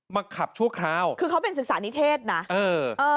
ขับชั่วคราวคือเขาเป็นศึกษานิเทศนะเออเออ